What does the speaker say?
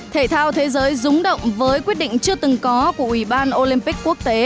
thể thao thế giới rúng động với quyết định chưa từng có của ủy ban olympic quốc tế